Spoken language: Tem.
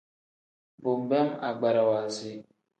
Bo nbeem agbarawa si.